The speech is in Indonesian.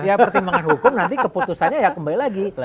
ya pertimbangan hukum nanti keputusannya ya kembali lagi